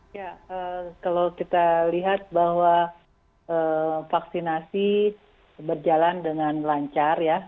ya kalau kita lihat bahwa vaksinasi berjalan dengan lancar ya